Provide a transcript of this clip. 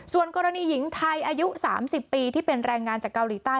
ส่วนกรณีหญิงไทยอายุ๓๐ปีที่เป็นแรงงานจากเกาหลีใต้